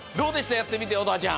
やってみて乙葉ちゃん！